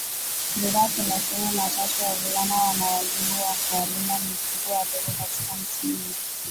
bidhaa Thelathini na tatuWavulana wana wajibu wa kuwalinda mifugo wadogo Katika msimu wa